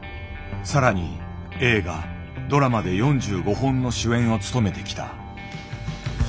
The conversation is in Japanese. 更に映画ドラマで４５本の主演を務めてきた。